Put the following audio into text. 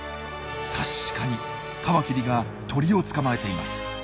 確かにカマキリが鳥を捕まえています。